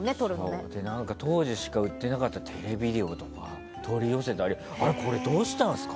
それで当時しか売ってなかったテレビデオとか取り寄せたりこれどうしたんすか？